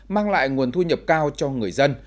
mang lại nguồn thu nhập cao cho người dân